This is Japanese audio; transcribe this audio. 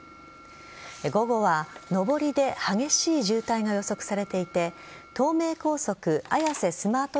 午後は上りで激しい渋滞が予測されていて東名高速綾瀬スマート